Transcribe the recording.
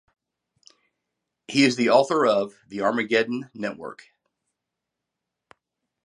He is the author of "The Armageddon Network".